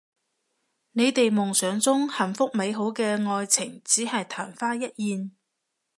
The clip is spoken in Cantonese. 你哋夢想中幸福美好嘅愛情只係曇花一現